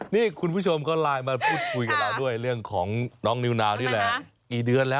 นี่คุณผู้ชมเขาไลน์มาพูดคุยกับเราด้วยเรื่องของน้องนิวนาวนี่แหละ